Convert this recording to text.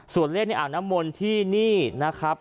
ส่วนเลขนี้อาวุธนมนต์ที่นี่นะครับ